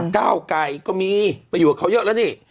ก้าวไก่ก็มีไปอยู่กับเขาเยอะแล้วนี่